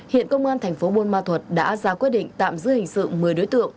hiện công an thành phố buôn ma thuật đã ra quyết định tạm giữ hình sự một mươi đối tượng